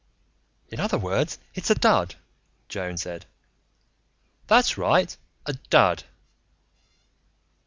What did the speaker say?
"In other words, it's a dud," Joan said. "That's right, a dud."